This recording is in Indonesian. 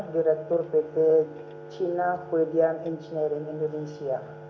direktur pt cina kuedian engineering indonesia